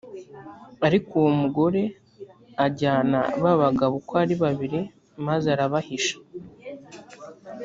ariko uwo mugore ajyana ba bagabo uko ari babiri, maze arabahisha.